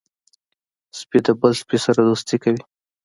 سپي د بل سپي سره دوستي کوي.